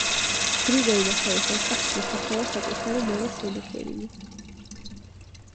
გრიგოლმა სამეფო ტახტზე შეცვალა საკუთარი მამა სენექერიმი.